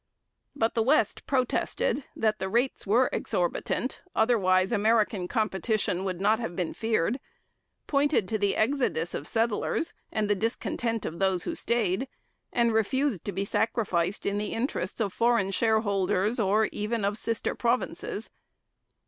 But the West protested that the rates were exorbitant otherwise American competition would not have been feared pointed to the exodus of settlers and the discontent of those who stayed, and refused to be sacrificed in the interests of foreign shareholders or even of sister provinces.